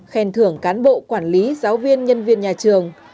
khen thưởng cán bộ quản lý giáo viên nhân viên nhà trường